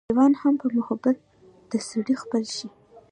حېوان هم پۀ محبت د سړي خپل شي